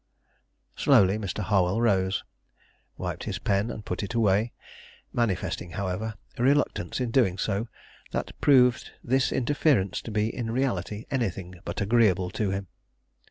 Slowly Mr. Harwell rose, wiped his pen, and put it away; manifesting, however, a reluctance in doing so that proved this interference to be in reality anything but agreeable to him.